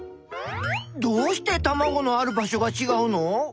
どうしてたまごのある場所がちがうの？